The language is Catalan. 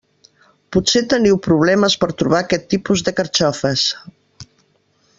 Potser teniu problemes per a trobar aquest tipus de carxofes.